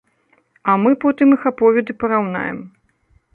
А мы потым іх аповеды параўнаем.